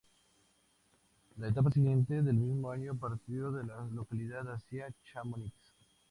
La etapa siguiente del mismo año partió de la localidad hacia Chamonix.